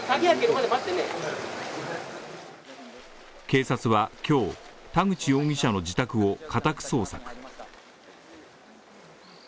警察は今日、田口容疑者の自宅を家宅捜索。